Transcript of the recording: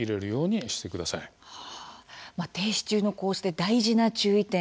まあ停止中のこうして大事な注意点